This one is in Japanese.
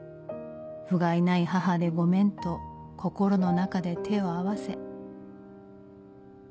ふがいない母でごめんと心の中で手を合わせ」。